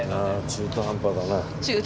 「中途半端だな」。